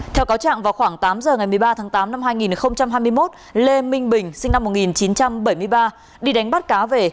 theo cáo trạng vào khoảng tám giờ ngày một mươi ba tháng tám năm hai nghìn hai mươi một lê minh bình sinh năm một nghìn chín trăm bảy mươi ba đi đánh bắt cá về